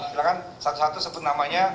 silahkan satu satu sebut namanya